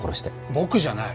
僕じゃない。